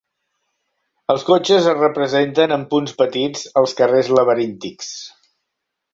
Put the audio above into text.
Els cotxes es representen amb punts petits als carrers laberíntics.